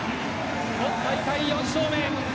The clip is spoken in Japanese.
今大会４勝目。